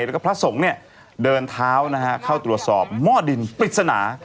แล้วก็พระสงฆ์เนี่ยเดินเท้าเข้าตรวจสอบหม้อดินปริศนา